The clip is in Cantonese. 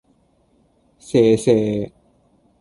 射射